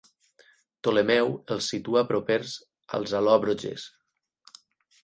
Ptolemeu els situa propers als al·lòbroges.